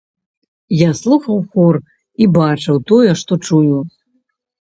Я слухаў хор і бачыў тое, што чую.